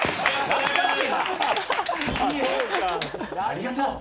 ありがとう。